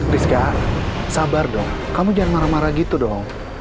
rizka sabar dong kamu jangan marah marah gitu dong